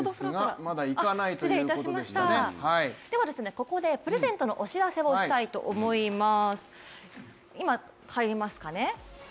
ここでプレゼントのお知らせをしたいと思います。